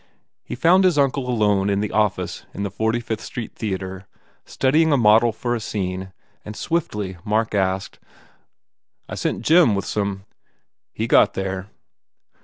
He found his uncle alone in the office at the 45th Street Theatre, studying a model for a scene and swiftly Mark asked, "I sent Jim with some " "He got there."